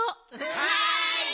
はい！